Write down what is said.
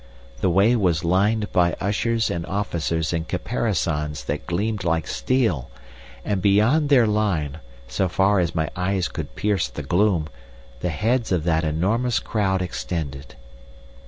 The way was lined by ushers and officers in caparisons that gleamed like steel, and beyond their line, so far as my eyes could pierce the gloom, the heads of that enormous crowd extended.